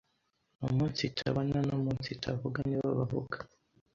umunsitabona no umunsitavuga nibo bavuga